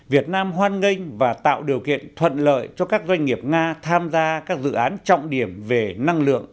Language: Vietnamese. việt nam hoan nghênh và tạo điều kiện thuận lợi cho các doanh nghiệp nga tham gia các dự án trọng điểm về năng lượng